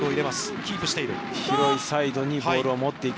キープしている。